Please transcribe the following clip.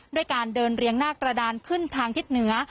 ด้วยการเดินเรียงหน้ากระดานขึ้นทางทิศเหนือ